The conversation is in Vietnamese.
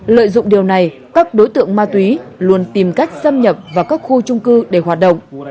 lợi dụng điều này các đối tượng ma túy luôn tìm cách xâm nhập vào các khu trung cư để hoạt động